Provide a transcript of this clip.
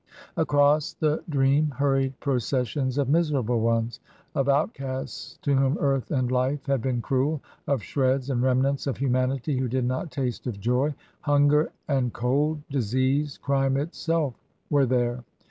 Across the dream hurried processions of miserable ones— of out casts to whom earth and life had been cruel, of shreds and remnants of humanity who did not taste of joy — hunger and cold, disease, crime itself were there.